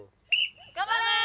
頑張れ！